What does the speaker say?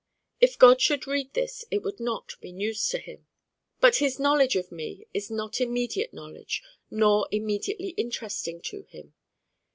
If God should read this it would not be news to him. But his knowledge of me is not immediate knowledge nor immediately interesting to him.